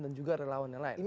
dan juga relawan yang lain